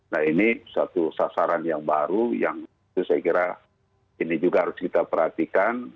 nah ini satu sasaran yang baru yang itu saya kira ini juga harus kita perhatikan